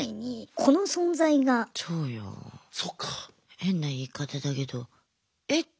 変な言い方だけどえっ？